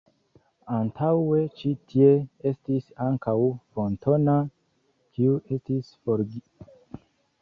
Antaŭe ĉi tie estis ankaŭ fontano, kiu estis forigita.